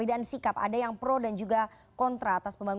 ini bagaimana pak lukman